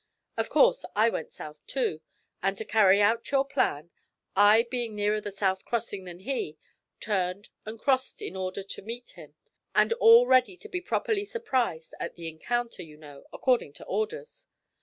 Of course I went south, too, and to carry out your plan, I, being nearer the south crossing than he, turned and crossed in order to meet him, and all ready to be properly surprised at the encounter, you know, according to orders.